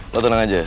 lo tenang aja